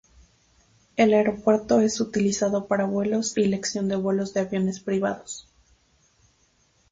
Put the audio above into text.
El aeropuerto es utilizado para vuelos y lección de vuelo de aviones privados.